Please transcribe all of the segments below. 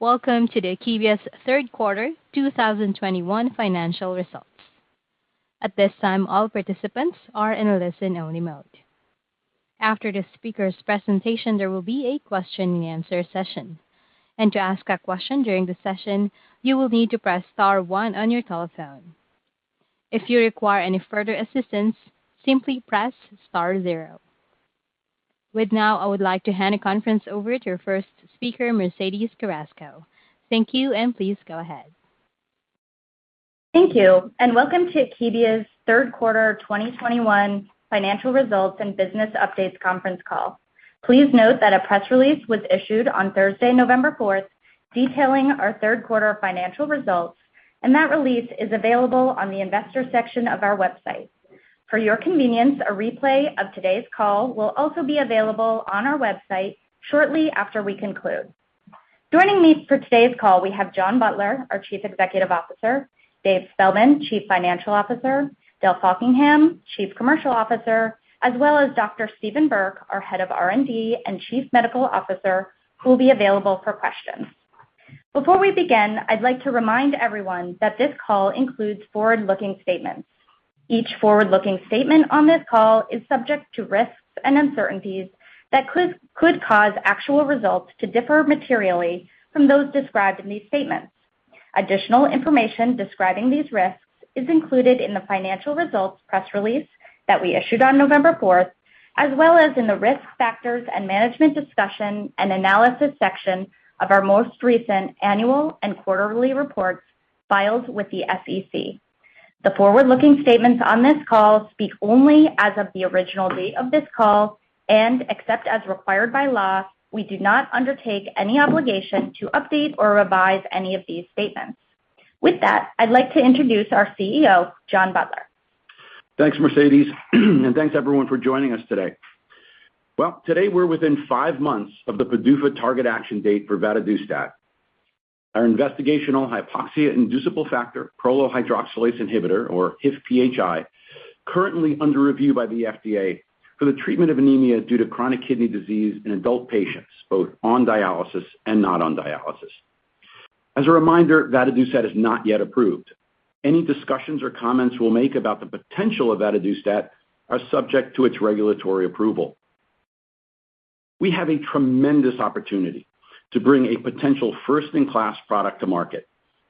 Welcome to Akebia's third quarter 2021 financial results. At this time, all participants are in a listen-only mode. After the speaker's presentation, there will be a question and answer session. To ask a question during the session, you will need to press star one on your telephone. If you require any further assistance, simply press star zero. Now, I would like to hand the conference over to your first speaker, Mercedes Carrasco. Thank you, and please go ahead. Thank you. Welcome to Akebia's third quarter 2021 financial results and business updates conference call. Please note that a press release was issued on Thursday, November 4, detailing our third quarter financial results, and that release is available on the investor section of our website. For your convenience, a replay of today's call will also be available on our website shortly after we conclude. Joining me for today's call, we have John Butler, our Chief Executive Officer, Dave Spellman, Chief Financial Officer, Dell Faulkingham, Chief Commercial Officer, as well as Dr. Steven K. Burke, our Head of R&D and Chief Medical Officer, who will be available for questions. Before we begin, I'd like to remind everyone that this call includes forward-looking statements. Each forward-looking statement on this call is subject to risks and uncertainties that could cause actual results to differ materially from those described in these statements. Additional information describing these risks is included in the financial results press release that we issued on November 4th, as well as in the Risk Factors and Management Discussion and Analysis section of our most recent annual and quarterly reports filed with the SEC. The forward-looking statements on this call speak only as of the original date of this call, and except as required by law, we do not undertake any obligation to update or revise any of these statements. With that, I'd like to introduce our CEO, John Butler. Thanks, Mercedes. Thanks everyone for joining us today. Well, today we're within five months of the PDUFA target action date for vadadustat. Our investigational hypoxia-inducible factor prolyl hydroxylase inhibitor or HIF-PHI, currently under review by the FDA for the treatment of anemia due to chronic kidney disease in adult patients, both on dialysis and not on dialysis. As a reminder, vadadustat is not yet approved. Any discussions or comments we'll make about the potential of vadadustat are subject to its regulatory approval. We have a tremendous opportunity to bring a potential first-in-class product to market,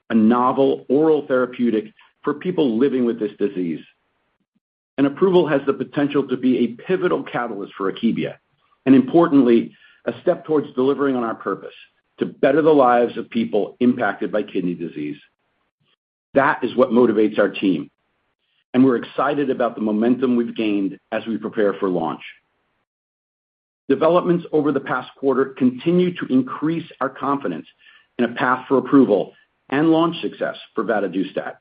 a novel oral therapeutic for people living with this disease. An approval has the potential to be a pivotal catalyst for Akebia, and importantly, a step towards delivering on our purpose to better the lives of people impacted by kidney disease. That is what motivates our team, and we're excited about the momentum we've gained as we prepare for launch. Developments over the past quarter continue to increase our confidence in a path for approval and launch success for vadadustat,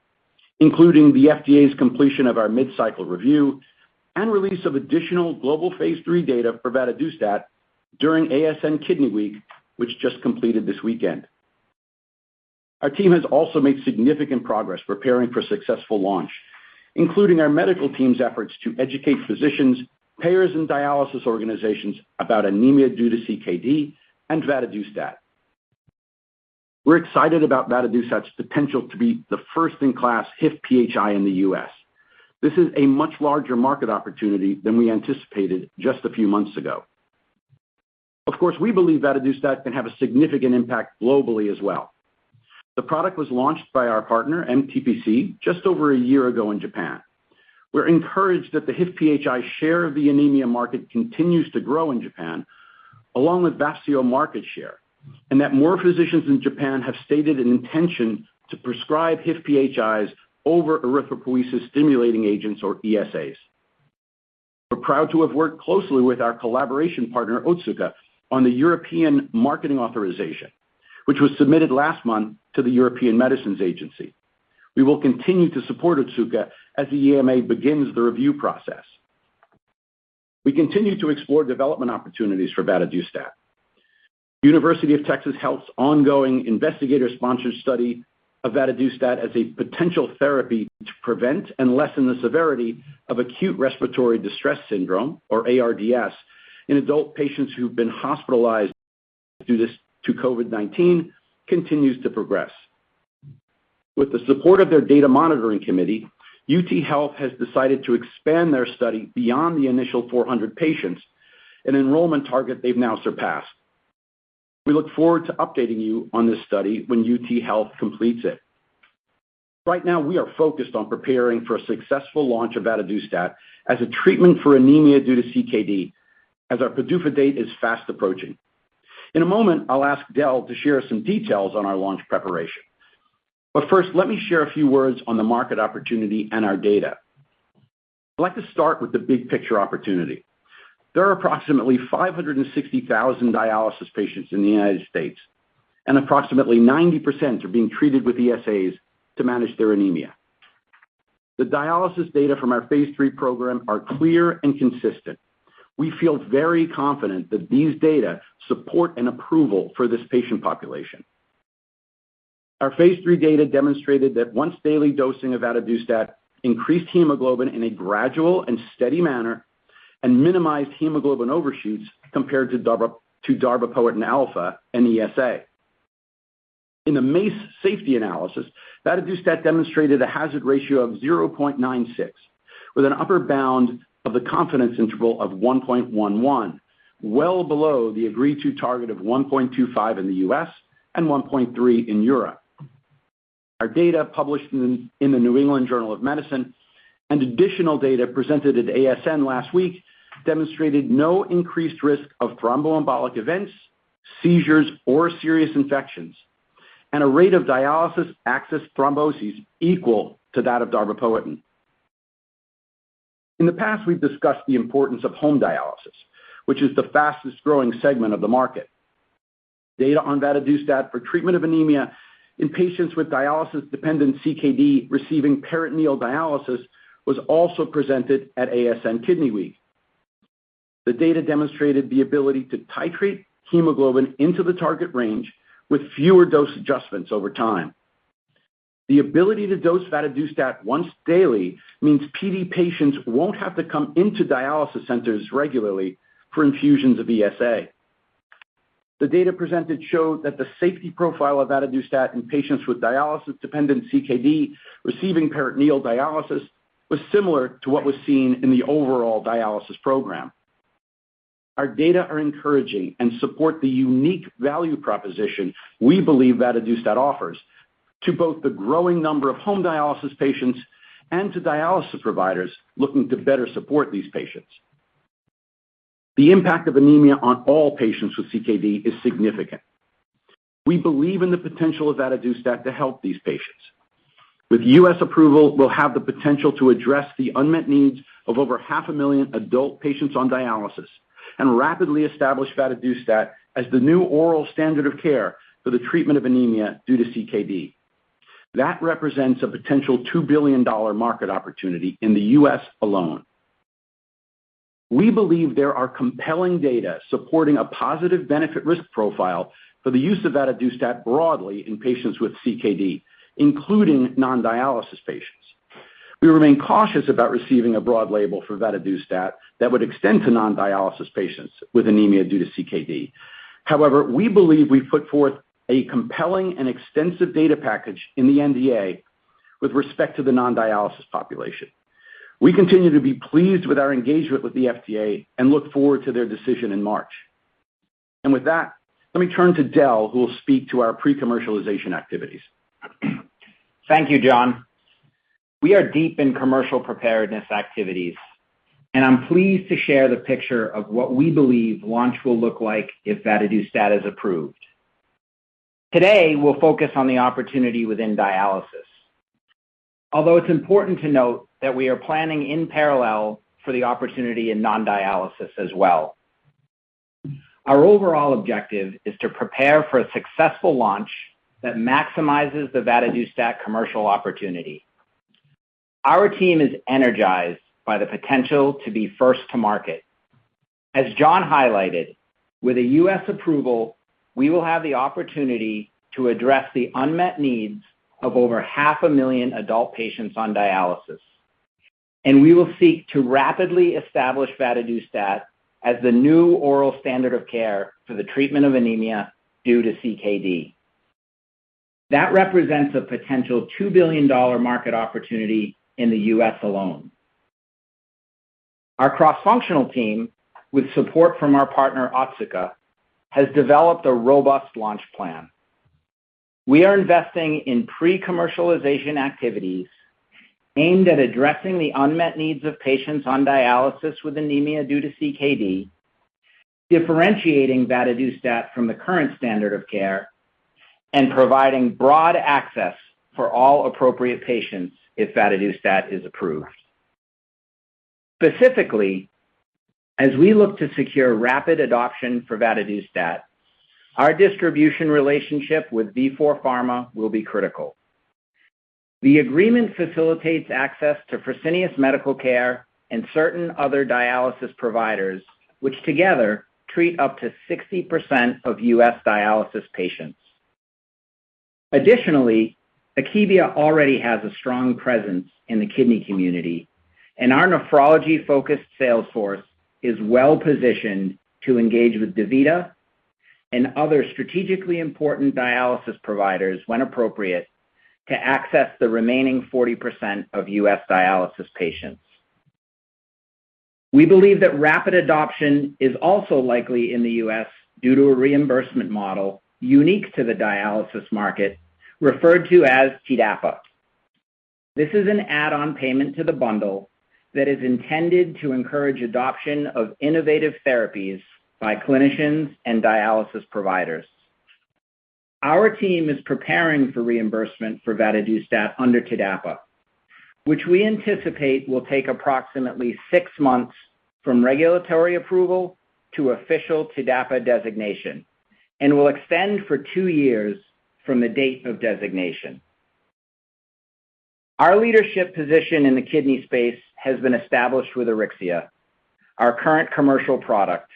including the FDA's completion of our mid-cycle review and release of additional global phase III data for vadadustat during ASN Kidney Week, which just completed this weekend. Our team has also made significant progress preparing for successful launch, including our medical team's efforts to educate physicians, payers, and dialysis organizations about anemia due to CKD and vadadustat. We're excited about vadadustat's potential to be the first in class HIF-PHI in the U.S. This is a much larger market opportunity than we anticipated just a few months ago. Of course, we believe vadadustat can have a significant impact globally as well. The product was launched by our partner, MTPC, just over a year ago in Japan. We're encouraged that the HIF-PHI share of the anemia market continues to grow in Japan, along with Vafseo market share, and that more physicians in Japan have stated an intention to prescribe HIF-PHIs over erythropoiesis-stimulating agents or ESAs. We're proud to have worked closely with our collaboration partner, Otsuka, on the European Marketing Authorization, which was submitted last month to the European Medicines Agency. We will continue to support Otsuka as the EMA begins the review process. We continue to explore development opportunities for vadadustat. University of Texas Health's ongoing investigator-sponsored study of vadadustat as a potential therapy to prevent and lessen the severity of acute respiratory distress syndrome or ARDS in adult patients who've been hospitalized due to COVID-19 continues to progress. With the support of their data monitoring committee, UTHealth has decided to expand their study beyond the initial 400 patients, an enrollment target they've now surpassed. We look forward to updating you on this study when UTHealth completes it. Right now, we are focused on preparing for a successful launch of vadadustat as a treatment for anemia due to CKD as our PDUFA date is fast approaching. In a moment, I'll ask Del to share some details on our launch preparation. First, let me share a few words on the market opportunity and our data. I'd like to start with the big picture opportunity. There are approximately 560,000 dialysis patients in the United States, and approximately 90% are being treated with ESAs to manage their anemia. The dialysis data from our phase III program are clear and consistent. We feel very confident that these data support an approval for this patient population. Our phase III data demonstrated that once daily dosing of vadadustat increased hemoglobin in a gradual and steady manner and minimized hemoglobin overshoots compared to darbepoetin alfa and ESA. In the MACE safety analysis, vadadustat demonstrated a hazard ratio of 0.96, with an upper bound of the confidence interval of 1.11, well below the agreed to target of 1.25 in the U.S. and 1.3 in Europe. Our data, published in the New England Journal of Medicine, and additional data presented at ASN last week demonstrated no increased risk of thromboembolic events, seizures, or serious infections, and a rate of dialysis access thrombosis equal to that of darbepoetin. In the past, we've discussed the importance of home dialysis, which is the fastest-growing segment of the market. Data on vadadustat for treatment of anemia in patients with dialysis-dependent CKD receiving peritoneal dialysis was also presented at ASN Kidney Week. The data demonstrated the ability to titrate hemoglobin into the target range with fewer dose adjustments over time. The ability to dose vadadustat once daily means PD patients won't have to come into dialysis centers regularly for infusions of ESA. The data presented showed that the safety profile of vadadustat in patients with dialysis-dependent CKD receiving peritoneal dialysis was similar to what was seen in the overall dialysis program. Our data are encouraging and support the unique value proposition we believe vadadustat offers to both the growing number of home dialysis patients and to dialysis providers looking to better support these patients. The impact of anemia on all patients with CKD is significant. We believe in the potential of vadadustat to help these patients. With U.S. approval, we'll have the potential to address the unmet needs of over half a million adult patients on dialysis and rapidly establish vadadustat as the new oral standard of care for the treatment of anemia due to CKD. That represents a potential $2 billion market opportunity in the U.S. alone. We believe there are compelling data supporting a positive benefit risk profile for the use of vadadustat broadly in patients with CKD, including non-dialysis patients. We remain cautious about receiving a broad label for vadadustat that would extend to non-dialysis patients with anemia due to CKD. However, we believe we've put forth a compelling and extensive data package in the NDA with respect to the non-dialysis population. We continue to be pleased with our engagement with the FDA and look forward to their decision in March. With that, let me turn to Dell Faulkingham, who will speak to our pre-commercialization activities. Thank you, John. We are deep in commercial preparedness activities, and I'm pleased to share the picture of what we believe launch will look like if vadadustat is approved. Today, we'll focus on the opportunity within dialysis, although it's important to note that we are planning in parallel for the opportunity in non-dialysis as well. Our overall objective is to prepare for a successful launch that maximizes the vadadustat commercial opportunity. Our team is energized by the potential to be first to market. As John highlighted, with a U.S. approval, we will have the opportunity to address the unmet needs of over 500,000 adult patients on dialysis, and we will seek to rapidly establish vadadustat as the new oral standard of care for the treatment of anemia due to CKD. That represents a potential $2 billion market opportunity in the U.S. alone. Our cross-functional team, with support from our partner Otsuka, has developed a robust launch plan. We are investing in pre-commercialization activities aimed at addressing the unmet needs of patients on dialysis with anemia due to CKD, differentiating vadadustat from the current standard of care, and providing broad access for all appropriate patients if vadadustat is approved. Specifically, as we look to secure rapid adoption for vadadustat, our distribution relationship with Vifor Pharma will be critical. The agreement facilitates access to Fresenius Medical Care and certain other dialysis providers, which together treat up to 60% of U.S. dialysis patients. Additionally, Akebia already has a strong presence in the kidney community, and our nephrology-focused sales force is well-positioned to engage with DaVita and other strategically important dialysis providers when appropriate to access the remaining 40% of U.S. dialysis patients. We believe that rapid adoption is also likely in the U.S. due to a reimbursement model unique to the dialysis market referred to as TDAPA. This is an add-on payment to the bundle that is intended to encourage adoption of innovative therapies by clinicians and dialysis providers. Our team is preparing for reimbursement for vadadustat under TDAPA, which we anticipate will take approximately six months from regulatory approval to official TDAPA designation and will extend for two years from the date of designation. Our leadership position in the kidney space has been established with Auryxia, our current commercial product.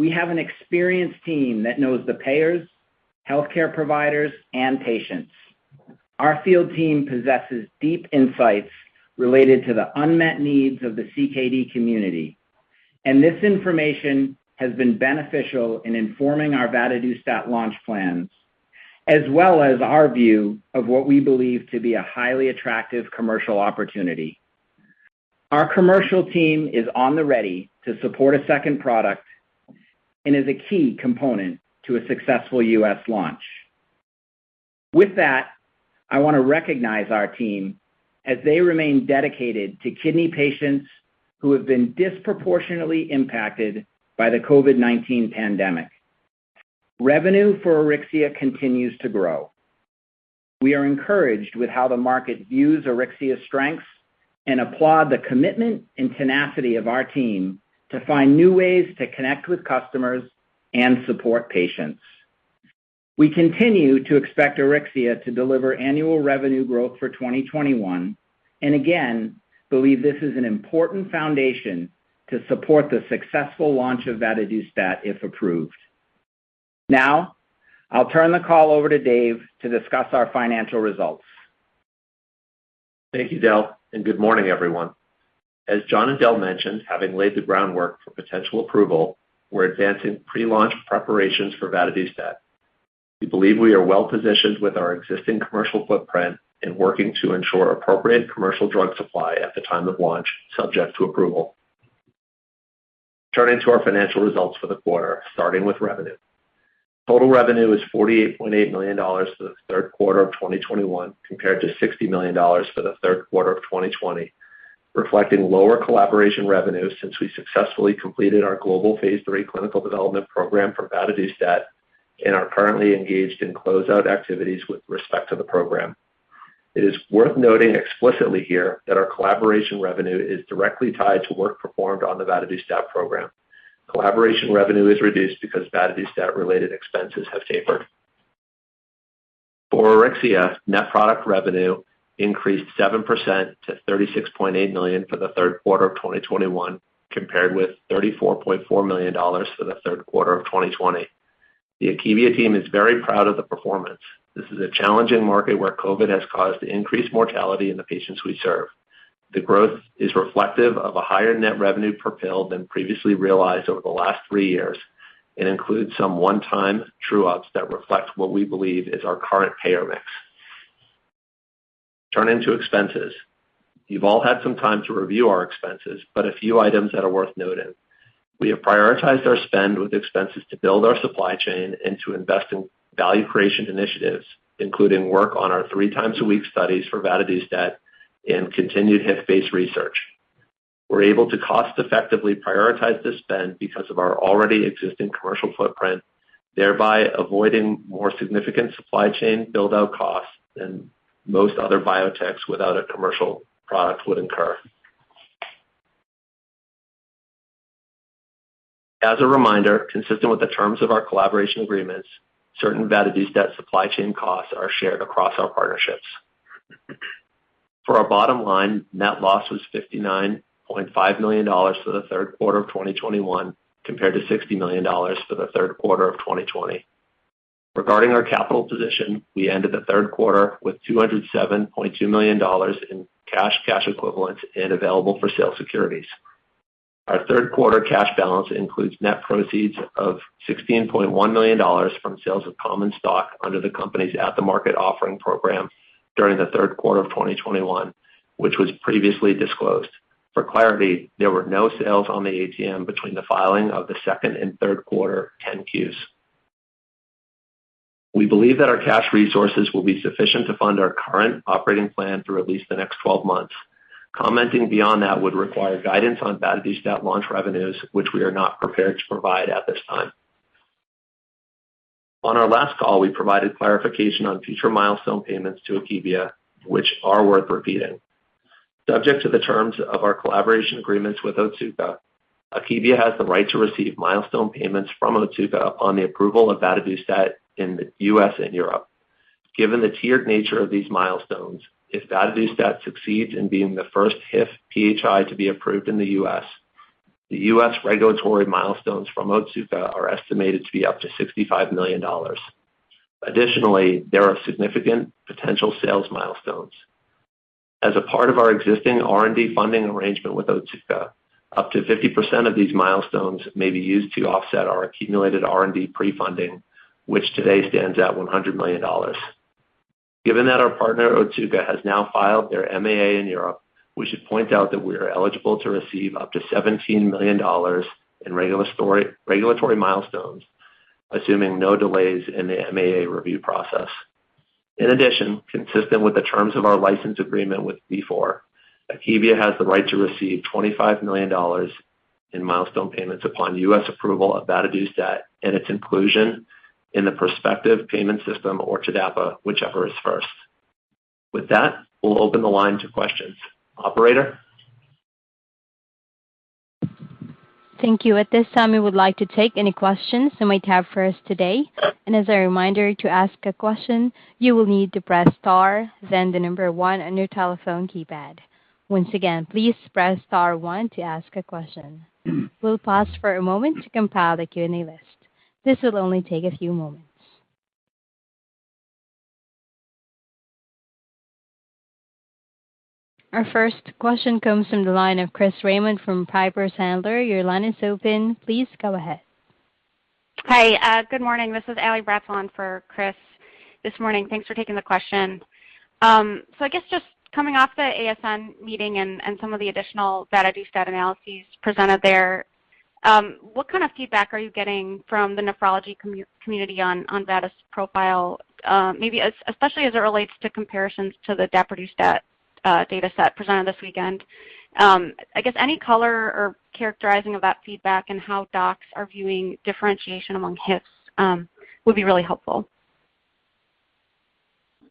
We have an experienced team that knows the payers, healthcare providers, and patients. Our field team possesses deep insights related to the unmet needs of the CKD community, and this information has been beneficial in informing our vadadustat launch plans, as well as our view of what we believe to be a highly attractive commercial opportunity. Our commercial team is on the ready to support a second product and is a key component to a successful U.S. launch. With that, I want to recognize our team as they remain dedicated to kidney patients who have been disproportionately impacted by the COVID-19 pandemic. Revenue for Auryxia continues to grow. We are encouraged with how the market views Auryxia's strengths and applaud the commitment and tenacity of our team to find new ways to connect with customers and support patients. We continue to expect Auryxia to deliver annual revenue growth for 2021, and again, believe this is an important foundation to support the successful launch of vadadustat, if approved. Now I'll turn the call over to Dave to discuss our financial results. Thank you, Dell, and good morning, everyone. As John and Dell mentioned, having laid the groundwork for potential approval, we're advancing pre-launch preparations for vadadustat. We believe we are well positioned with our existing commercial footprint in working to ensure appropriate commercial drug supply at the time of launch, subject to approval. Turning to our financial results for the quarter, starting with revenue. Total revenue is $48.8 million for the third quarter of 2021, compared to $60 million for the third quarter of 2020, reflecting lower collaboration revenue since we successfully completed our global phase III clinical development program for vadadustat and are currently engaged in closeout activities with respect to the program. It is worth noting explicitly here that our collaboration revenue is directly tied to work performed on the vadadustat program. Collaboration revenue is reduced because vadadustat related expenses have tapered. For Auryxia, net product revenue increased 7% to $36.8 million for the third quarter of 2021, compared with $34.4 million for the third quarter of 2020. The Akebia team is very proud of the performance. This is a challenging market where COVID has caused increased mortality in the patients we serve. The growth is reflective of a higher net revenue per pill than previously realized over the last three years and includes some one-time true-ups that reflect what we believe is our current payer mix. Turning to expenses. You've all had some time to review our expenses, but a few items that are worth noting. We have prioritized our spend with expenses to build our supply chain and to invest in value creation initiatives, including work on our three times a week studies for vadadustat and continued HIF-based research. We're able to cost effectively prioritize this spend because of our already existing commercial footprint, thereby avoiding more significant supply chain build out costs than most other biotechs without a commercial product would incur. As a reminder, consistent with the terms of our collaboration agreements, certain vadadustat supply chain costs are shared across our partnerships. For our bottom line, net loss was $59.5 million for the third quarter of 2021, compared to $60 million for the third quarter of 2020. Regarding our capital position, we ended the third quarter with $207.2 million in cash equivalents, and available for sale securities. Our third quarter cash balance includes net proceeds of $16.1 million from sales of common stock under the company's at the market offering program during the third quarter of 2021, which was previously disclosed. For clarity, there were no sales on the ATM between the filing of the second and third quarter 10-Qs. We believe that our cash resources will be sufficient to fund our current operating plan through at least the next 12 months. Commenting beyond that would require guidance on vadadustat launch revenues, which we are not prepared to provide at this time. On our last call, we provided clarification on future milestone payments to Akebia, which are worth repeating. Subject to the terms of our collaboration agreements with Otsuka, Akebia has the right to receive milestone payments from Otsuka upon the approval of vadadustat in the U.S. and Europe. Given the tiered nature of these milestones, if vadadustat succeeds in being the first HIF-PHI to be approved in the U.S., the U.S. regulatory milestones from Otsuka are estimated to be up to $65 million. Additionally, there are significant potential sales milestones. As a part of our existing R&D funding arrangement with Otsuka, up to 50% of these milestones may be used to offset our accumulated R&D pre-funding, which today stands at $100 million. Given that our partner, Otsuka, has now filed their MAA in Europe, we should point out that we are eligible to receive up to $17 million in regulatory milestones, assuming no delays in the MAA review process. In addition, consistent with the terms of our license agreement with Vifor, Akebia has the right to receive $25 million in milestone payments upon U.S. approval of vadadustat and its inclusion in the prospective payment system or TDAPA, whichever is first. With that, we'll open the line to questions. Operator? Thank you. At this time, we would like to take any questions you might have for us today. As a reminder, to ask a question, you will need to press star, then the number one on your telephone keypad. Once again, please press star one to ask a question. We'll pause for a moment to compile the Q&A list. This will only take a few moments. Our first question comes from the line of Chris Raymond from Piper Sandler. Your line is open. Please go ahead. Hi. Good morning. This is Allison Bratzel for Chris this morning. Thanks for taking the question. So I guess just coming off the ASN meeting and some of the additional vadadustat data analyses presented there, what kind of feedback are you getting from the nephrology community on vadadustat's profile, maybe especially as it relates to comparisons to the daprodustat dataset presented this weekend? I guess any color or characterizing of that feedback and how docs are viewing differentiation among HIF would be really helpful.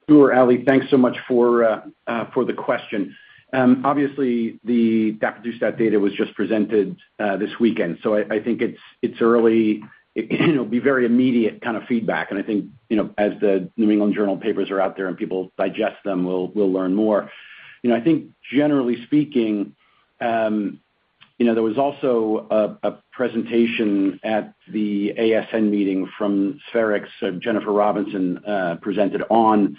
Sure, Allison. Thanks so much for the question. Obviously the daprodustat data was just presented this weekend, so I think it's early. It'll be very immediate kind of feedback. I think, you know, as the New England Journal papers are out there and people digest them, we'll learn more. You know, I think generally speaking, you know, there was also a presentation at the ASN meeting from Spherix. Jennifer Robinson presented on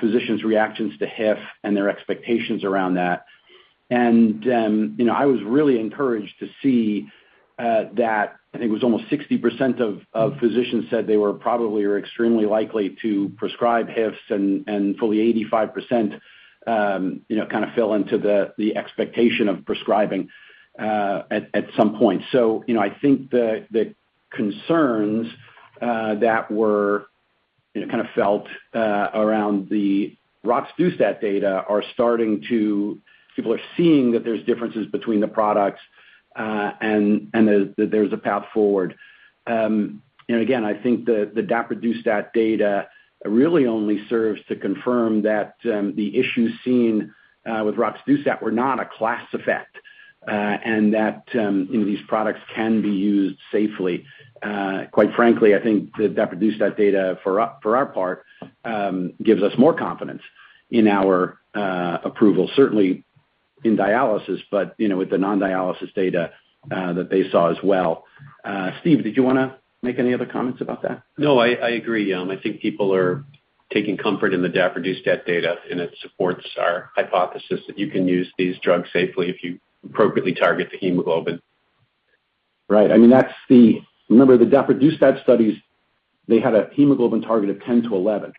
physicians' reactions to HIF and their expectations around that. You know, I was really encouraged to see that I think it was almost 60% of physicians said they were probably or extremely likely to prescribe HIF and fully 85%, you know, kind of fell into the expectation of prescribing at some point. You know, I think the concerns that were kind of felt around the roxadustat data are starting to. People are seeing that there's differences between the products and that there's a path forward. You know, again, I think the daprodustat data really only serves to confirm that the issues seen with roxadustat were not a class effect and that these products can be used safely. Quite frankly, I think the daprodustat data for our part gives us more confidence in our approval, certainly in dialysis, but you know, with the non-dialysis data that they saw as well. Steve, did you want to make any other comments about that? No, I agree. I think people are taking comfort in the daprodustat data, and it supports our hypothesis that you can use these drugs safely if you appropriately target the hemoglobin. Right. I mean, that's the. Remember, the daprodustat studies, they had a hemoglobin target of 10-11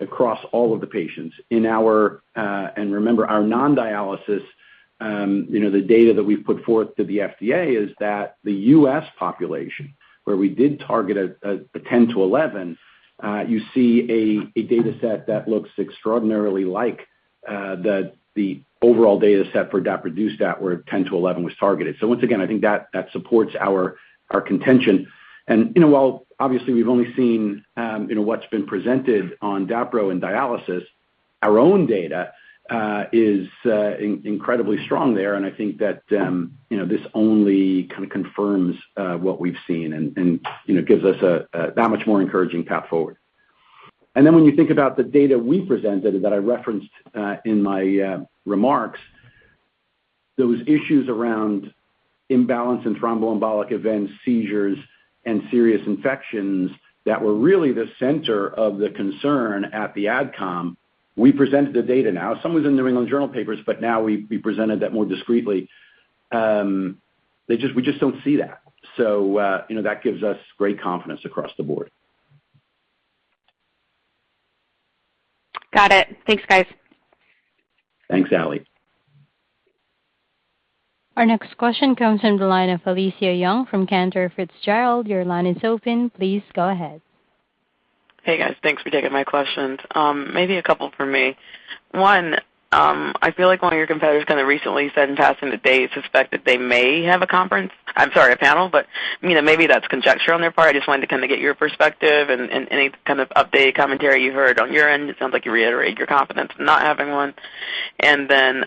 across all of the patients. In our non-dialysis, you know, the data that we've put forth to the FDA is that the U.S. population, where we did target a 10-11, you see a data set that looks extraordinarily like the overall data set for daprodustat where 10-11 was targeted. Once again, I think that supports our contention. You know, while obviously we've only seen, you know, what's been presented on daprodustat in dialysis, our own data is incredibly strong there. I think that, you know, this only kind of confirms what we've seen and, you know, gives us that much more encouraging path forward. Then when you think about the data we presented that I referenced in my remarks, those issues around imbalance in thromboembolic events, seizures, and serious infections that were really the center of the concern at the AdCom, we presented the data now. Some was in the New England Journal papers, but now we presented that more discretely. We just don't see that. You know, that gives us great confidence across the board. Got it. Thanks, guys. Thanks, Alisson. Our next question comes from the line of Alethia Young from Cantor Fitzgerald. Your line is open. Please go ahead. Hey, guys. Thanks for taking my questions. Maybe a couple from me. One, I feel like one of your competitors kinda recently said in passing that they suspect that they may have a conference. I'm sorry, a panel, but you know, maybe that's conjecture on their part. I just wanted to kinda get your perspective and any kind of update commentary you heard on your end. It sounds like you reiterate your confidence in not having one. Then,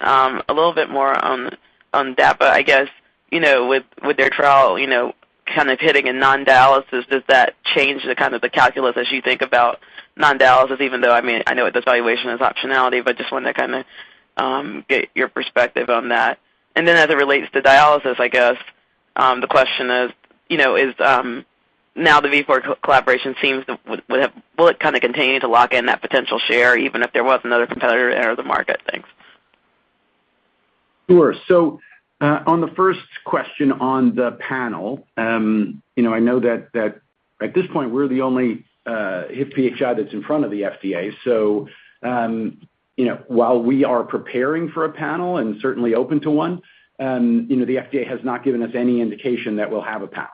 a little bit more on Dapa. I guess, you know, with their trial, you know, kind of hitting a non-dialysis, does that change the kind of the calculus as you think about non-dialysis even though, I mean, I know the valuation is optionality, but just wanted to kinda get your perspective on that. As it relates to dialysis, I guess, the question is, you know, is now the Vifor collaboration will it kinda continue to lock in that potential share even if there was another competitor to enter the market? Thanks. Sure. On the first question on the panel, you know, I know that at this point, we're the only HIF-PHI that's in front of the FDA. You know, while we are preparing for a panel and certainly open to one, you know, the FDA has not given us any indication that we'll have a panel.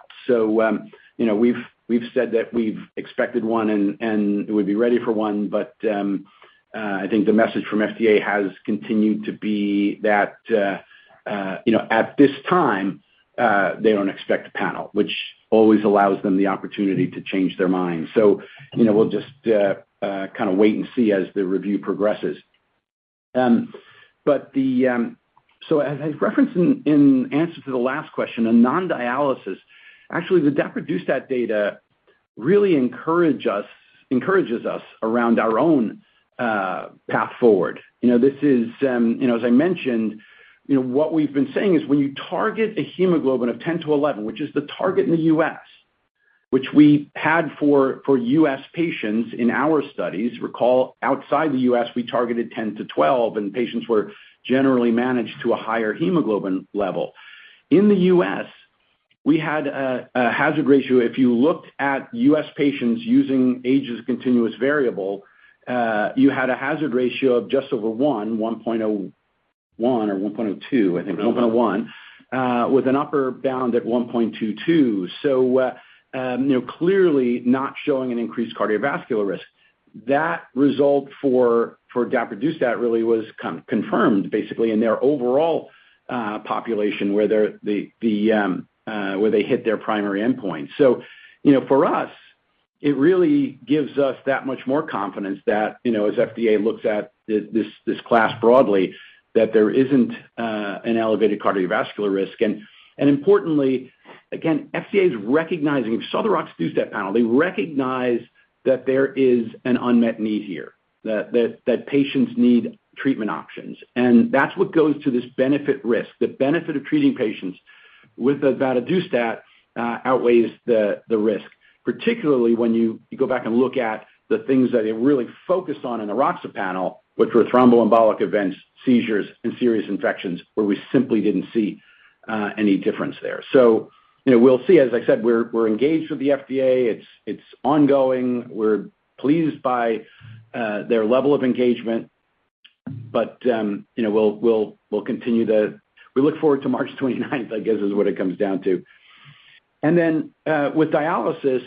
You know, we've said that we've expected one and we'd be ready for one, but I think the message from FDA has continued to be that you know, at this time, they don't expect a panel, which always allows them the opportunity to change their mind. You know, we'll just kinda wait and see as the review progresses. As referenced in answer to the last question, a non-dialysis, actually, the daprodustat data really encourages us around our own path forward. You know, this is, you know, as I mentioned, you know, what we've been saying is when you target a hemoglobin of 10-11, which is the target in the U.S., which we had for U.S. patients in our studies. Recall outside the U.S., we targeted 10-12, and patients were generally managed to a higher hemoglobin level. In the U.S., we had a hazard ratio. If you looked at U.S. patients using age as a continuous variable, you had a hazard ratio of just over one, 1.01 or 1.02, I think 1.01, with an upper bound at 1.22. You know, clearly not showing an increased cardiovascular risk. That result for daprodustat really was confirmed basically in their overall population where they hit their primary endpoint. You know, for us, it really gives us that much more confidence that, you know, as FDA looks at this class broadly, that there isn't an elevated cardiovascular risk. Importantly, again, FDA is recognizing. You saw the roxadustat panel. They recognize that there is an unmet need here. That patients need treatment options. That's what goes to this benefit risk. The benefit of treating patients with the vadadustat outweighs the risk, particularly when you go back and look at the things that it really focused on in the roxadustat panel, which were thromboembolic events, seizures, and serious infections where we simply didn't see any difference there. You know, we'll see. As I said, we're engaged with the FDA. It's ongoing. We're pleased by their level of engagement, but you know, we'll look forward to March 29, I guess is what it comes down to. With dialysis,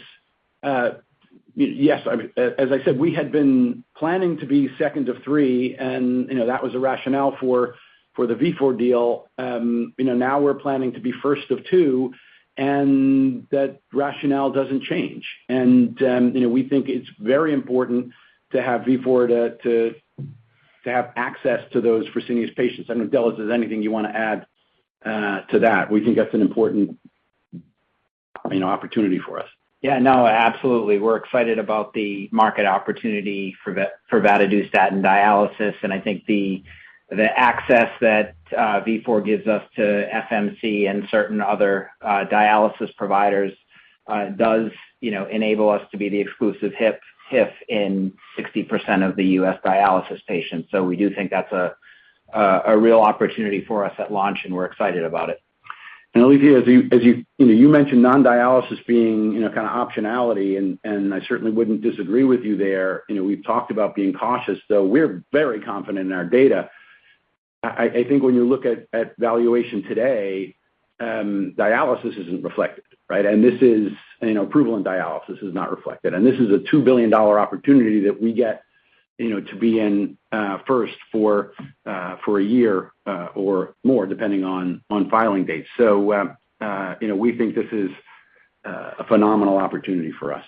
yes, I mean, as I said, we had been planning to be second of three, and you know, that was the rationale for the Vifor deal. You know, now we're planning to be first of two, and that rationale doesn't change. You know, we think it's very important to have Vifor to have access to those Fresenius patients. I don't know, Dell, if there's anything you wanna add to that. We think that's an important, you know, opportunity for us. Yeah, no, absolutely. We're excited about the market opportunity for vadadustat in dialysis. I think the access that Vifor gives us to FMC and certain other dialysis providers does, you know, enable us to be the exclusive HIF in 60% of the U.S. dialysis patients. We do think that's a real opportunity for us at launch, and we're excited about it. Alethia, as you. You know, you mentioned non-dialysis being, you know, kinda optionality, and I certainly wouldn't disagree with you there. You know, we've talked about being cautious, though we're very confident in our data. I think when you look at valuation today, dialysis isn't reflected, right? This is, you know, approval in dialysis is not reflected. This is a $2 billion opportunity that we get, you know, to be in first for a year or more, depending on filing dates. You know, we think this is a phenomenal opportunity for us.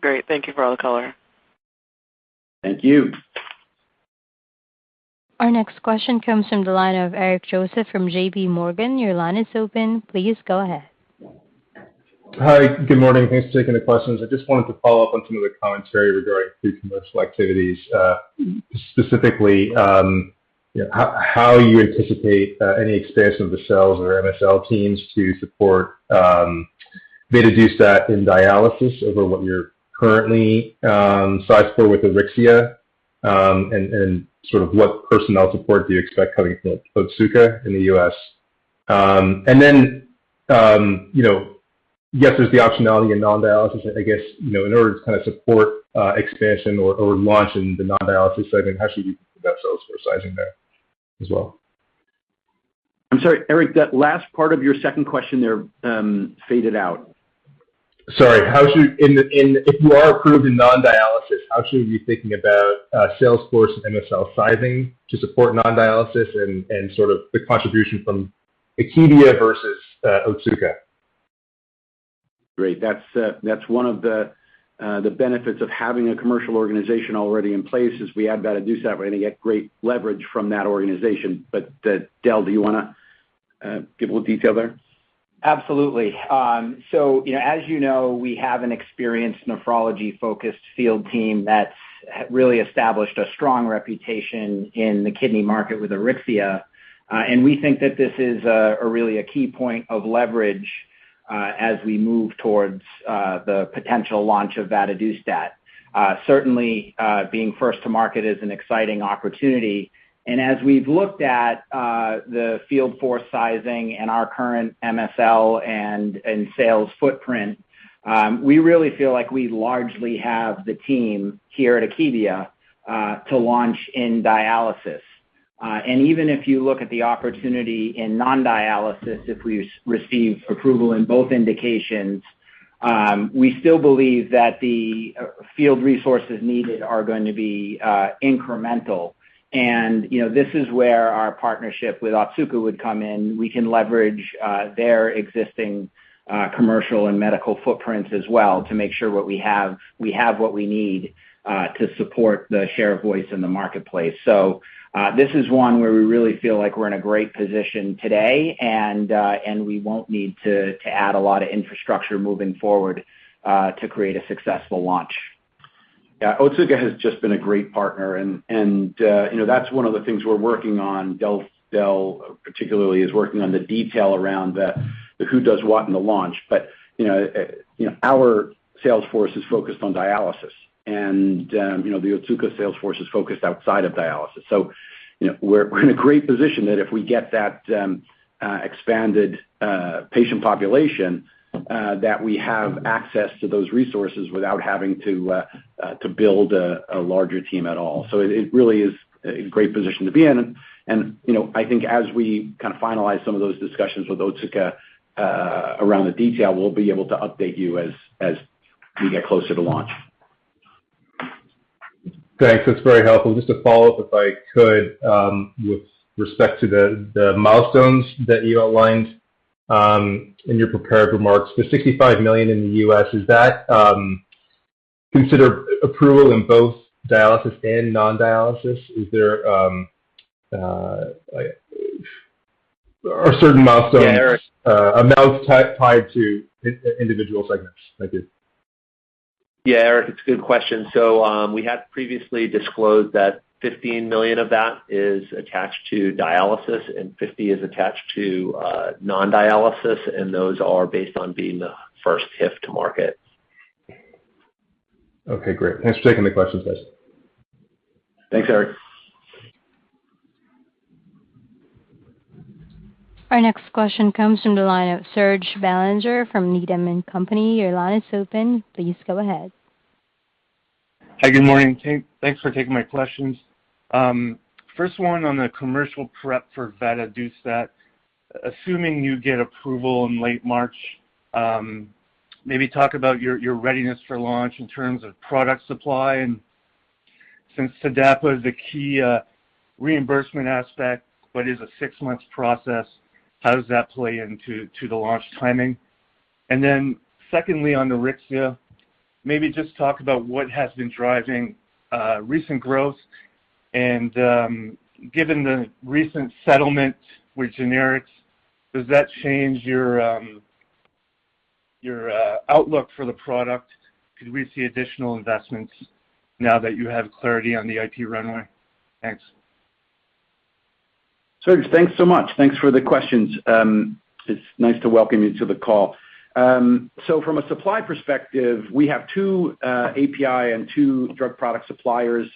Great. Thank you for all the color. Thank you. Our next question comes from the line of Eric Joseph from JPMorgan. Your line is open. Please go ahead. Hi. Good morning. Thanks for taking the questions. I just wanted to follow up on some of the commentary regarding pre-commercial activities, specifically, you know, how you anticipate any expansion of the sales or MSL teams to support vadadustat in dialysis over what you're currently sized for with Auryxia, and sort of what personnel support do you expect coming from Otsuka in the U.S.? You know, yes, there's the optionality in non-dialysis. I guess, you know, in order to kinda support expansion or launch in the non-dialysis setting, how should we think about sales force sizing there as well? I'm sorry, Eric, that last part of your second question there, faded out. Sorry. If you are approved in non-dialysis, how should we be thinking about sales force and MSL sizing to support non-dialysis and sort of the contribution from Akebia versus Otsuka? Great. That's one of the benefits of having a commercial organization already in place, is we add vadadustat, we're gonna get great leverage from that organization. Dell, do you wanna give a little detail there? Absolutely. So, you know, as you know, we have an experienced nephrology-focused field team that's really established a strong reputation in the kidney market with Auryxia. We think that this is really a key point of leverage as we move towards the potential launch of vadadustat. Certainly, being first to market is an exciting opportunity. As we've looked at the field force sizing and our current MSL and sales footprint, we really feel like we largely have the team here at Akebia to launch in dialysis. Even if you look at the opportunity in non-dialysis, if we receive approval in both indications, we still believe that the field resources needed are going to be incremental. You know, this is where our partnership with Otsuka would come in. We can leverage their existing commercial and medical footprints as well to make sure we have what we need to support the share of voice in the marketplace. This is one where we really feel like we're in a great position today, and we won't need to add a lot of infrastructure moving forward to create a successful launch. Yeah. Otsuka has just been a great partner and, you know, that's one of the things we're working on. Dell particularly is working on the detail around the who does what in the launch. You know, our sales force is focused on dialysis and, you know, the Otsuka sales force is focused outside of dialysis. You know, we're in a great position that if we get that expanded patient population that we have access to those resources without having to to build a larger team at all. It really is a great position to be in. You know, I think as we kind of finalize some of those discussions with Otsuka around the detail, we'll be able to update you as we get closer to launch. Thanks. That's very helpful. Just to follow up, if I could, with respect to the milestones that you outlined in your prepared remarks. The $65 million in the US, is that considered approval in both dialysis and non-dialysis? Are certain milestones- Yeah, Eric. Amounts tied to individual segments? Thank you. Yeah, Eric, it's a good question. We had previously disclosed that $15 million of that is attached to dialysis and $50 million is attached to non-dialysis, and those are based on being the first HIF to market. Okay, great. Thanks for taking the questions, guys. Thanks, Eric. Our next question comes from the line of Serge Belanger from Needham & Company. Your line is open. Please go ahead. Hi, good morning, team. Thanks for taking my questions. First one on the commercial prep for vadadustat. Assuming you get approval in late March, maybe talk about your readiness for launch in terms of product supply and since TDAPA is a key reimbursement aspect, what is a six-month process, how does that play into the launch timing? Secondly, on the Auryxia, maybe just talk about what has been driving recent growth and, given the recent settlement with generics, does that change your outlook for the product? Could we see additional investments now that you have clarity on the IP runway? Thanks. Serge, thanks so much. Thanks for the questions. It's nice to welcome you to the call. From a supply perspective, we have two API and two drug product suppliers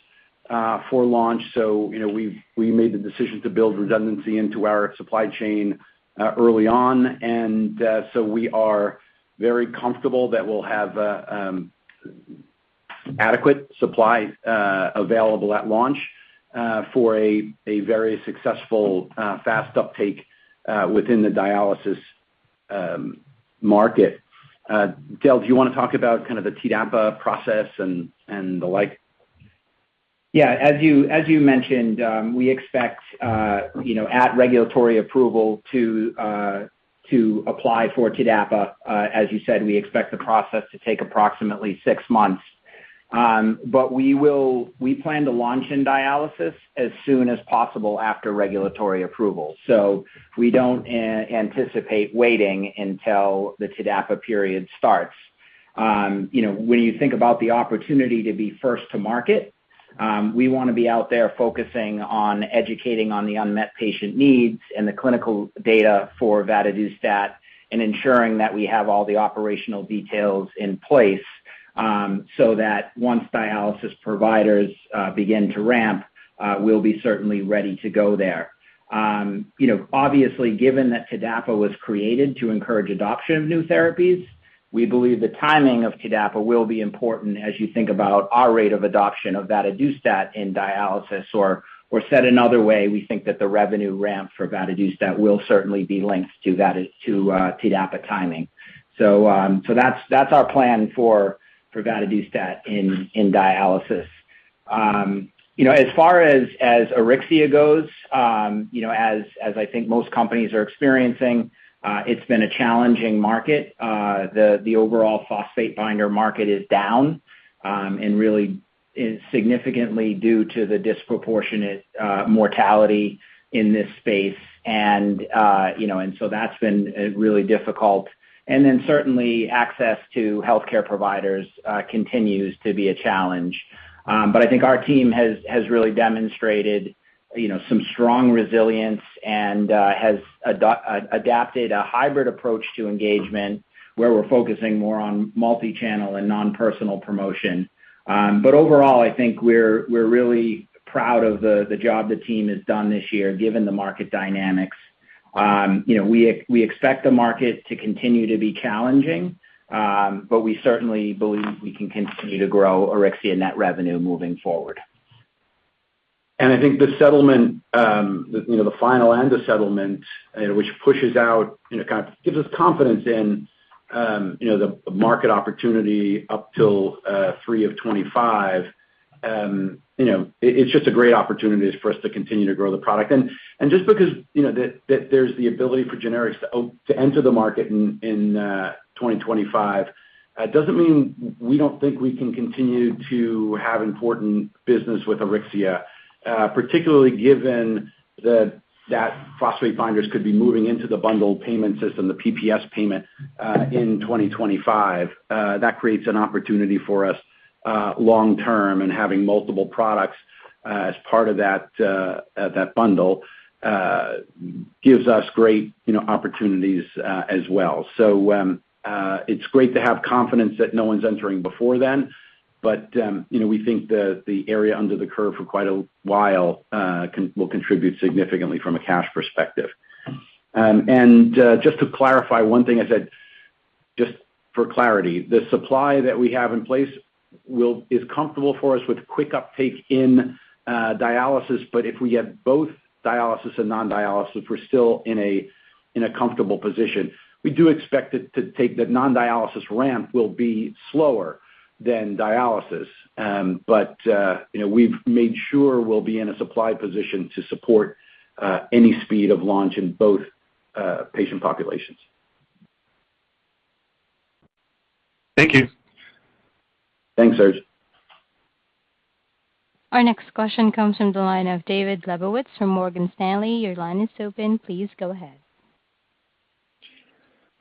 for launch. You know, we've made the decision to build redundancy into our supply chain early on. We are very comfortable that we'll have adequate supply available at launch for a very successful fast uptake within the dialysis market. Dell, do you wanna talk about kind of the TDAPA process and the like? Yeah. As you mentioned, we expect, you know, at regulatory approval to apply for TDAPA. As you said, we expect the process to take approximately six months. We plan to launch in dialysis as soon as possible after regulatory approval. We don't anticipate waiting until the TDAPA period starts. You know, when you think about the opportunity to be first to market, we wanna be out there focusing on educating on the unmet patient needs and the clinical data for vadadustat and ensuring that we have all the operational details in place, so that once dialysis providers begin to ramp, we'll be certainly ready to go there. You know, obviously given that TDAPA was created to encourage adoption of new therapies, we believe the timing of TDAPA will be important as you think about our rate of adoption of vadadustat in dialysis. Said another way, we think that the revenue ramp for vadadustat will certainly be linked to that is to, TDAPA timing. That's our plan for vadadustat in dialysis. You know, as far as Auryxia goes, you know, as I think most companies are experiencing, it's been a challenging market. The overall phosphate binder market is down, and really is significantly due to the disproportionate mortality in this space. You know, that's been really difficult. Certainly access to healthcare providers continues to be a challenge. I think our team has really demonstrated, you know, some strong resilience and has adapted a hybrid approach to engagement where we're focusing more on multi-channel and non-personal promotion. Overall, I think we're really proud of the job the team has done this year given the market dynamics. You know, we expect the market to continue to be challenging, but we certainly believe we can continue to grow Auryxia net revenue moving forward. I think the settlement, you know, the final end of settlement, which pushes out, you know, kind of gives us confidence in, you know, the market opportunity up till Q3 2025. You know, it is just a great opportunity for us to continue to grow the product. Just because, you know, that there is the ability for generics to enter the market in 2025, does not mean we do not think we can continue to have important business with Auryxia, particularly given that phosphate binders could be moving into the bundled payment system, the PPS payment, in 2025. That creates an opportunity for us long term and having multiple products as part of that bundle gives us great, you know, opportunities as well. It's great to have confidence that no one's entering before then, but you know, we think the area under the curve for quite a while will contribute significantly from a cash perspective. Just to clarify one thing I said, just for clarity, the supply that we have in place is comfortable for us with quick uptake in dialysis, but if we get both dialysis and non-dialysis, we're still in a comfortable position. We do expect the non-dialysis ramp will be slower than dialysis. You know, we've made sure we'll be in a supply position to support any speed of launch in both patient populations. Thank you. Thanks, Serge. Our next question comes from the line of David Lebowitz from Morgan Stanley. Your line is open. Please go ahead.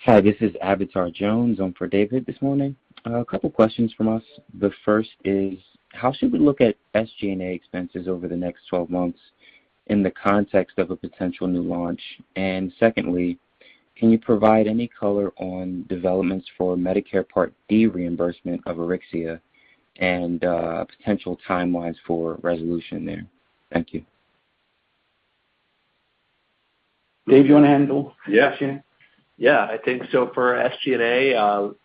Hi, this is Avatar Jones on for David this morning. A couple questions from us. The first is, how should we look at SG&A expenses over the next 12 months in the context of a potential new launch? Secondly, can you provide any color on developments for Medicare Part D reimbursement of Auryxia and potential timelines for resolution there? Thank you. Dave, you wanna handle that question? Yeah. I think so for SG&A,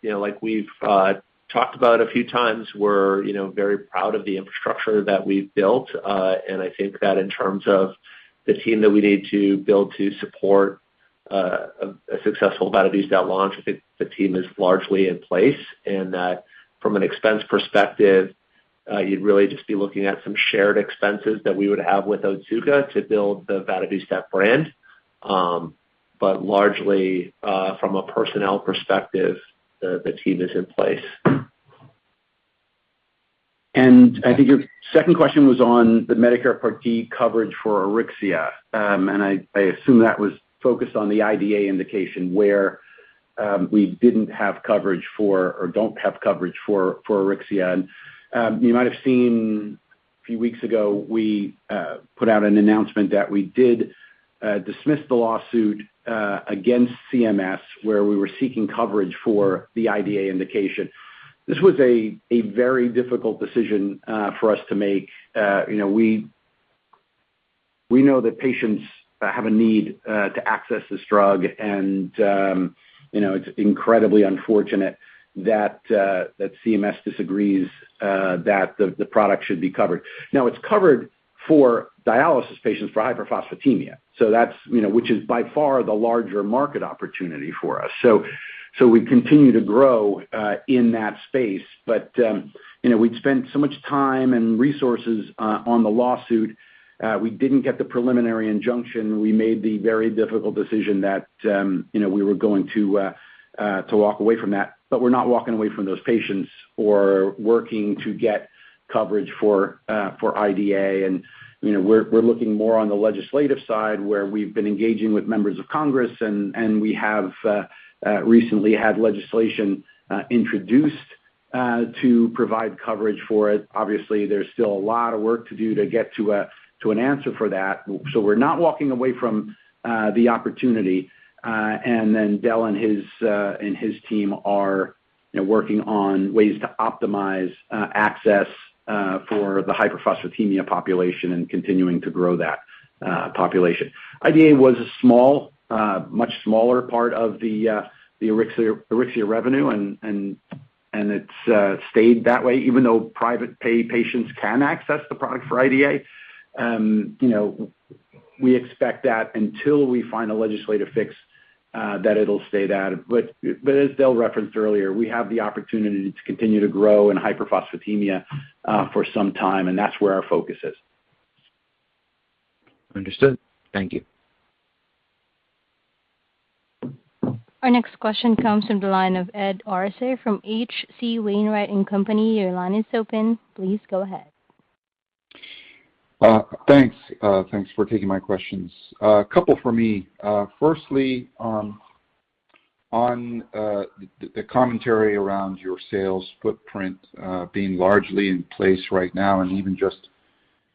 you know, like we've talked about a few times, we're you know, very proud of the infrastructure that we've built. I think that in terms of the team that we need to build to support a successful vadadustat launch, I think the team is largely in place. That from an expense perspective, you'd really just be looking at some shared expenses that we would have with Otsuka to build the vadadustat brand. Largely, from a personnel perspective, the team is in place. I think your second question was on the Medicare Part D coverage for Auryxia. I assume that was focused on the IDA indication where we didn't have coverage for or don't have coverage for Auryxia. You might have seen a few weeks ago, we put out an announcement that we did dismiss the lawsuit against CMS, where we were seeking coverage for the IDA indication. This was a very difficult decision for us to make. You know, we know that patients have a need to access this drug and you know, it's incredibly unfortunate that CMS disagrees that the product should be covered. Now it's covered for dialysis patients for hyperphosphatemia. That's you know, which is by far the larger market opportunity for us. We continue to grow in that space. You know, we'd spent so much time and resources on the lawsuit. We didn't get the preliminary injunction. We made the very difficult decision that you know, we were going to walk away from that. We're not walking away from those patients or working to get coverage for IDA. You know, we're looking more on the legislative side where we've been engaging with members of Congress and we have recently had legislation introduced to provide coverage for it. Obviously, there's still a lot of work to do to get to an answer for that. We're not walking away from the opportunity. Dell and his team are, you know, working on ways to optimize access for the hyperphosphatemia population and continuing to grow that population. IDA was a small, much smaller part of the Auryxia revenue and it's stayed that way even though private pay patients can access the product for IDA. You know, we expect that until we find a legislative fix that it'll stay that. As Dell referenced earlier, we have the opportunity to continue to grow in hyperphosphatemia for some time, and that's where our focus is. Understood. Thank you. Our next question comes from the line of Ed Arce from H.C. Wainwright & Co. Your line is open. Please go ahead. Thanks. Thanks for taking my questions. A couple for me. Firstly, on the commentary around your sales footprint being largely in place right now and even just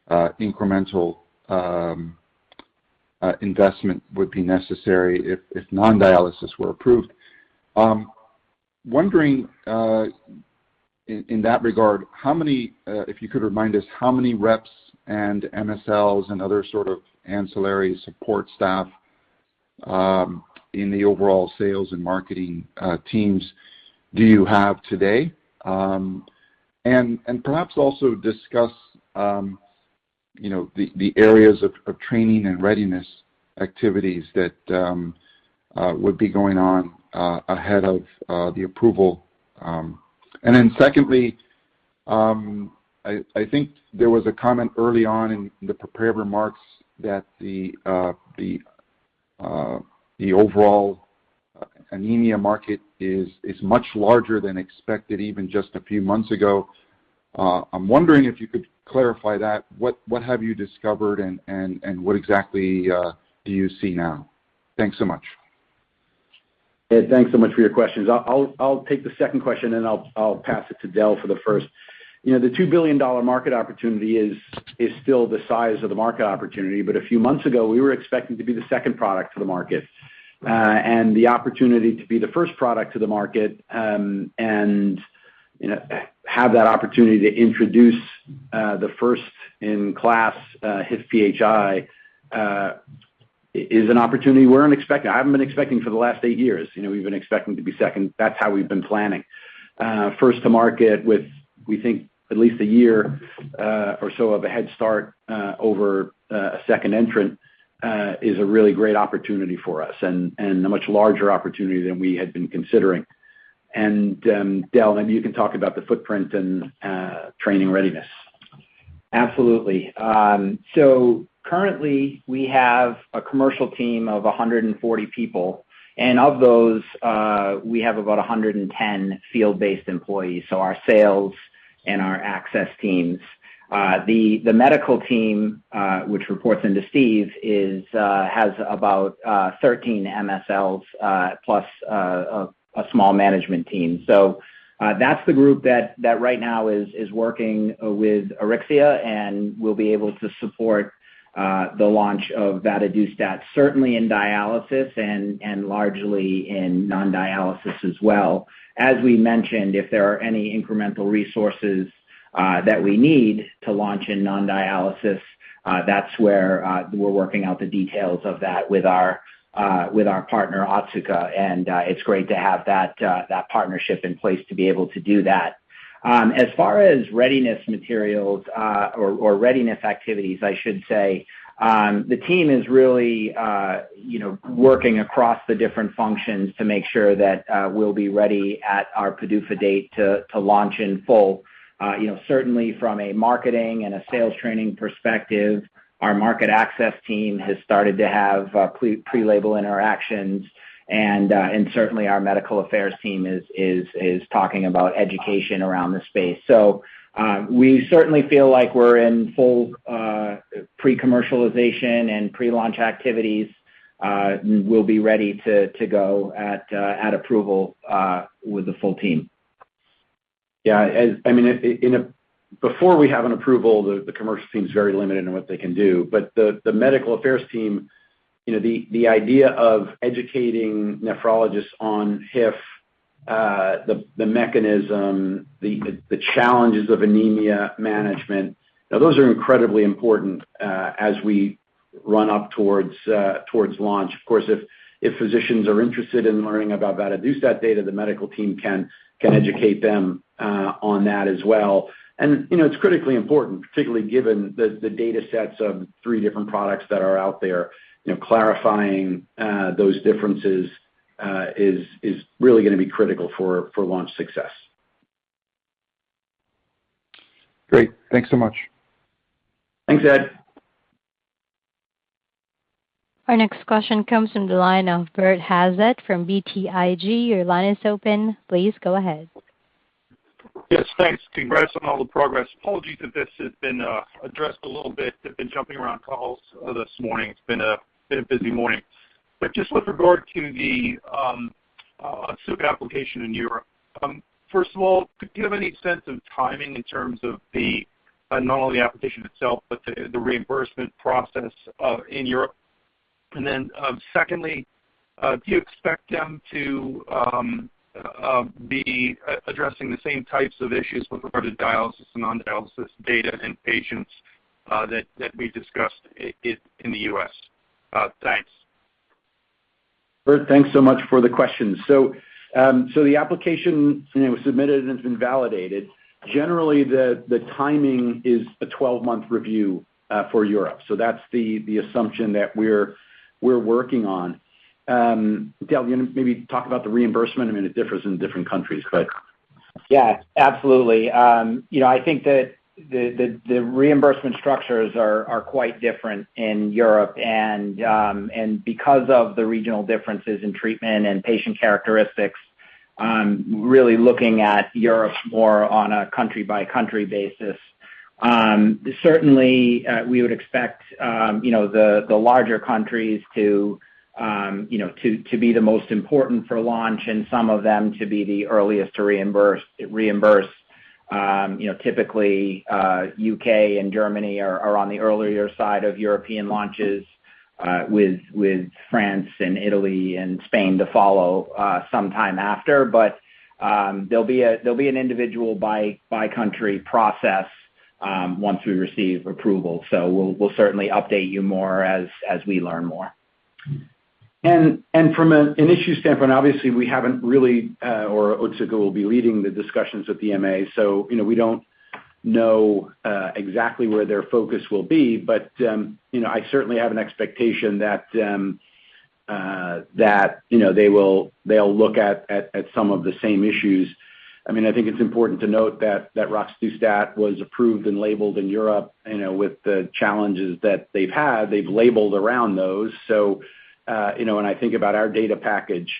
incremental investment would be necessary if non-dialysis were approved. Wondering in that regard, if you could remind us how many reps and MSLs and other sort of ancillary support staff in the overall sales and marketing teams do you have today? And perhaps also discuss you know the areas of training and readiness activities that would be going on ahead of the approval. Secondly, I think there was a comment early on in the prepared remarks that the overall anemia market is much larger than expected even just a few months ago. I'm wondering if you could clarify that. What have you discovered and what exactly do you see now? Thanks so much. Ed, thanks so much for your questions. I'll take the second question, and I'll pass it to Dell for the first. You know, the $2 billion market opportunity is still the size of the market opportunity. A few months ago, we were expecting to be the second product to the market. The opportunity to be the first product to the market, you know, have that opportunity to introduce the first-in-class HIF-PHI is an opportunity we weren't expecting, I haven't been expecting for the last eight years. You know, we've been expecting to be second. That's how we've been planning. First to market with, we think, at least a year or so of a head start over a second entrant is a really great opportunity for us and a much larger opportunity than we had been considering. Dell, maybe you can talk about the footprint and training readiness. Absolutely. Currently we have a commercial team of 140 people, and of those, we have about 110 field-based employees, so our sales and our access teams. The medical team, which reports into Steve, has about 13 MSLs, plus a small management team. That's the group that right now is working with Auryxia, and we'll be able to support the launch of vadadustat, certainly in dialysis and largely in non-dialysis as well. As we mentioned, if there are any incremental resources that we need to launch in non-dialysis, that's where we're working out the details of that with our partner, Otsuka. It's great to have that partnership in place to be able to do that. As far as readiness activities, I should say, the team is really, you know, working across the different functions to make sure that we'll be ready at our PDUFA date to launch in full. You know, certainly from a marketing and a sales training perspective, our market access team has started to have pre-label interactions. Certainly our medical affairs team is talking about education around the space. We certainly feel like we're in full pre-commercialization and pre-launch activities. We'll be ready to go at approval with the full team. Yeah, I mean, if before we have an approval, the commercial team is very limited in what they can do. The medical affairs team, you know, the idea of educating nephrologists on HIF, the mechanism, the challenges of anemia management, now those are incredibly important, as we run up towards launch. Of course, if physicians are interested in learning about vadadustat data, the medical team can educate them on that as well. You know, it's critically important, particularly given the data sets of three different products that are out there. You know, clarifying those differences is really gonna be critical for launch success. Great. Thanks so much. Thanks, Ed. Our next question comes from the line of Bert Hazlett from BTIG. Your line is open. Please go ahead. Yes, thanks. Congrats on all the progress. Apologies if this has been addressed a little bit. I've been jumping around calls this morning. It's been a busy morning. Just with regard to the EMA application in Europe, first of all, do you have any sense of timing in terms of not only the application itself, but the reimbursement process in Europe? Then, secondly, do you expect them to be addressing the same types of issues with regard to dialysis and non-dialysis data in patients that we discussed in the U.S.? Thanks. Bert, thanks so much for the question. The application, you know, was submitted and it's been validated. Generally, the timing is a 12-month review for Europe. That's the assumption that we're working on. Dell, you wanna maybe talk about the reimbursement? I mean, it differs in different countries, but. Yeah, absolutely. You know, I think that the reimbursement structures are quite different in Europe and because of the regional differences in treatment and patient characteristics, really looking at Europe more on a country-by-country basis. Certainly, we would expect you know, the larger countries to be the most important for launch and some of them to be the earliest to reimburse. You know, typically, U.K. and Germany are on the earlier side of European launches, with France and Italy and Spain to follow sometime after. There'll be an individual by country process once we receive approval. We'll certainly update you more as we learn more. From an issue standpoint, obviously we haven't really or Otsuka will be leading the discussions with the EMA. You know, we don't know exactly where their focus will be, but you know, I certainly have an expectation that you know they will they'll look at some of the same issues. I mean, I think it's important to note that roxadustat was approved and labeled in Europe, you know, with the challenges that they've had, they've labeled around those. You know, when I think about our data package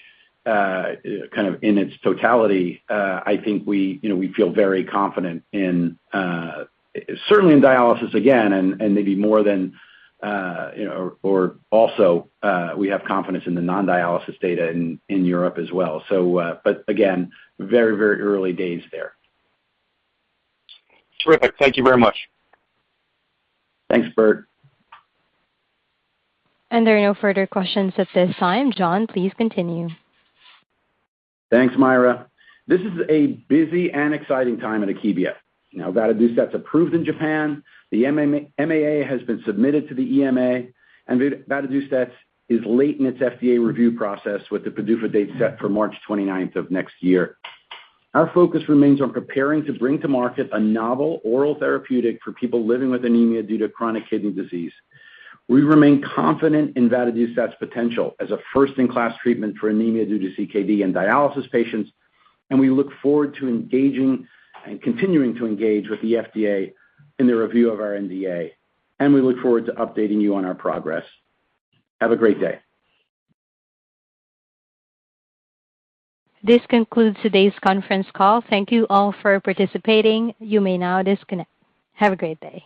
kind of in its totality, I think we you know we feel very confident in certainly in dialysis again, and maybe more than you know or also we have confidence in the non-dialysis data in Europe as well. Again, very early days there. Terrific. Thank you very much. Thanks, Bert. There are no further questions at this time. John, please continue. Thanks, Myra. This is a busy and exciting time at Akebia. Now vadadustat's approved in Japan, the MAA has been submitted to the EMA, and vadadustat is late in its FDA review process with the PDUFA date set for March 29 of next year. Our focus remains on preparing to bring to market a novel oral therapeutic for people living with anemia due to chronic kidney disease. We remain confident in vadadustat's potential as a first in class treatment for anemia due to CKD in dialysis patients, and we look forward to engaging and continuing to engage with the FDA in the review of our NDA, and we look forward to updating you on our progress. Have a great day. This concludes today's conference call. Thank you all for participating. You may now disconnect. Have a great day.